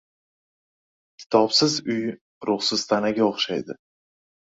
• Kitobsiz uy ruhsiz tanaga o‘xshaydi.